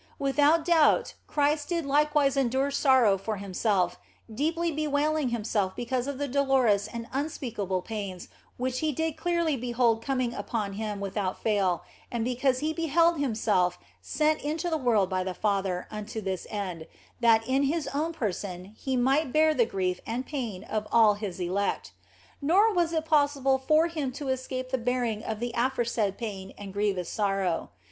Without doubt Christ did likewise endure sorrow for Himself, deeply bewailing Himself because of the dolorous and unspeakable pains which He did clearly behold coming upon Him without fail, and because He beheld Himself sent into the world by the Father unto this end, that in His own person He might bear the grief and pain of all His elect ; nor was it possible for Him to escape the bearing of the aforesaid pain and grievous sorrow.